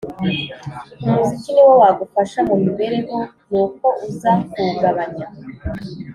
Umuziki ni wo wagufashaga mu mibereho, nuko uza kuwugabanya?